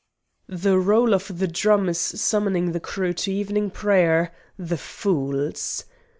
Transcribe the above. "The roll of the drum is summoning the crew to evening prayer. The fools!